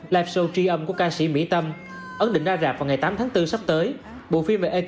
live show tri âm của ca sĩ mỹ tâm